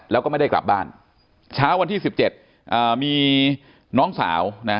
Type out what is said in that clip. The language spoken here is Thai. แล้วก็ไม่ได้กลับบ้านเช้าวันที่๑๗มีน้องสาวนะ